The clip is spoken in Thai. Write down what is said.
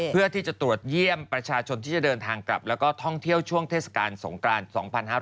เพื่อที่จะตรวจเยี่ยมประชาชนที่จะเดินทางกลับแล้วก็ท่องเที่ยวช่วงเทศกาลสงกราน๒๕๖๐